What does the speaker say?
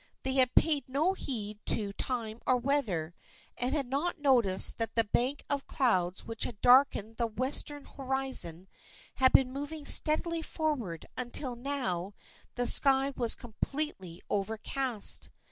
They had paid no heed to time or weather, and had not noticed that the bank of clouds which had darkened the Western horizon had been moving steadily forward until now the sky was completely over cast.